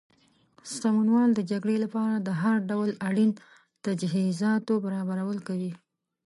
سمونوال د جګړې لپاره د هر ډول اړین تجهیزاتو برابرول کوي.